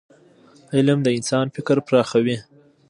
علم د انسان فکر پراخوي.